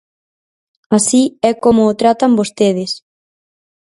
Así é como o tratan vostedes.